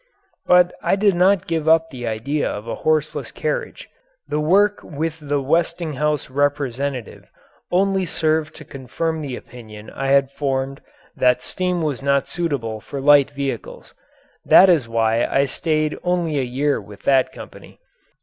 But I did not give up the idea of a horseless carriage. The work with the Westinghouse representative only served to confirm the opinion I had formed that steam was not suitable for light vehicles. That is why I stayed only a year with that company.